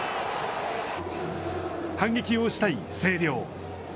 反撃をしたい星稜。